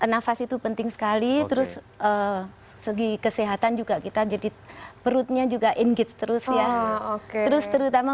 nafas itu penting sekali terus segi kesehatan juga kita jadi perutnya juga engage terus ya oke terus terutama